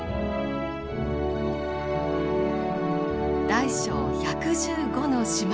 大小１１５の島々。